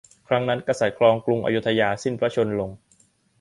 ครั้งนั้นกษัตริย์ครองกรุงอโยธยาสิ้นพระชนม์ลง